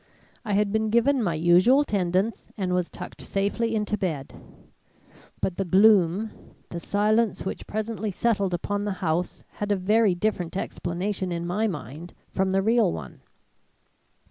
I had been given my usual tendance and was tucked safely into bed; but the gloom, the silence which presently settled upon the house had a very different explanation in my mind from the real one.